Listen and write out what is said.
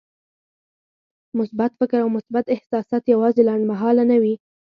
مثبت فکر او مثبت احساسات يوازې لنډمهاله نه وي.